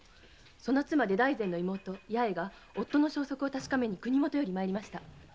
その妻で大膳の妹・八重が夫の消息を確かめに国許より参りました。